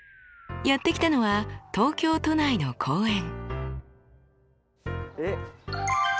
やって来たのは東京都内の公園。